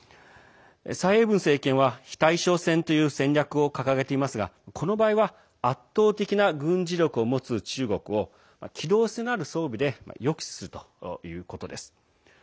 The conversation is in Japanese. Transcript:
蔡英文政権は、非対称戦という戦略を掲げていますがこの場合は圧倒的な軍事力を持つ中国を機動性のある装備で抑止するということです。